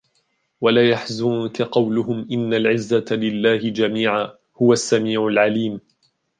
ولا يحزنك قولهم إن العزة لله جميعا هو السميع العليم